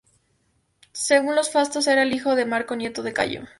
Según los Fastos era el hijo de Marco y nieto de Cayo.